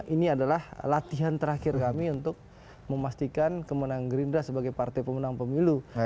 ini adalah latihan terakhir kami untuk memastikan kemenang gerindra sebagai partai pemenang pemilu